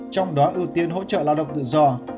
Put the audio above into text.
trong đó ưu tiên hỗ trợ lao động tự do